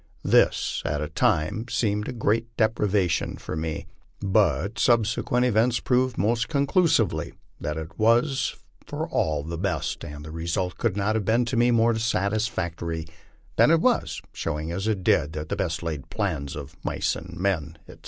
This, at the time, seemed a great deprivation to me, but subsequent events proved most conclusively that it was all for the best, and the result could not have been to me more satisfactory than it was, showing as it did that the best laid plans of mice and men, etc.